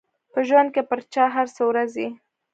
په ژوند کې پر چا هر څه ورځي.